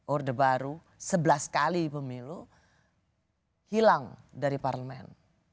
orde baru sebelas kali pemilu hilang dari parlemen